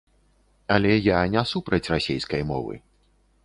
Але я не супраць расейскай мовы.